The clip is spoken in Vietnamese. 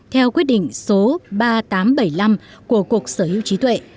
theo quyết định số ba nghìn tám trăm bảy mươi năm của cục sở hữu trí tuệ